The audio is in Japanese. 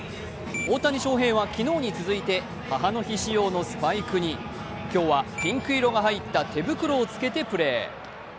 大谷翔平は昨日に続いて母の日仕様のスパイクに今日はピンク色が入った手袋をつけてプレー。